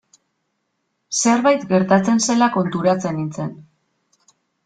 Zerbait gertatzen zela konturatu nintzen.